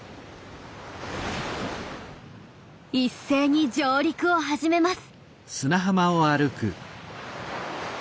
一斉に上陸を始めます。